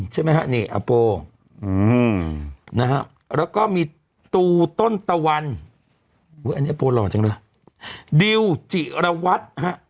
แล้วก็ตู่ต้นตะวันดิวจิระวัด